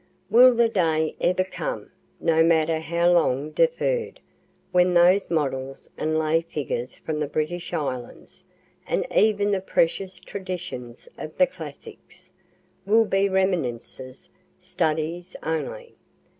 Will the day ever come no matter how long deferr'd when those models and lay figures from the British islands and even the precious traditions of the classics will be reminiscences, studies only?